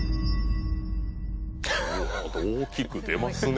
大きく出ますね